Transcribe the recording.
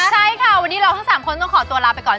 ใช่ค่ะวันนี้เราทั้ง๓คนต้องขอตัวลาไปก่อน